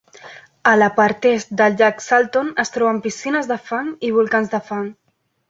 A la part est del llac Salton es troben piscines de fang i volcans de fang.